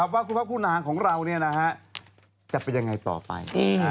ว่าคุณพ่อครูนางของเราจะเป็นยังไงต่อไป